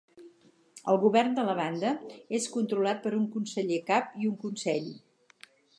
El govern de la banda és controlat per un conseller cap i un consell.